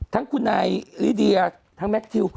ทั้งคุณนายลิเดียทั้งแมคทิว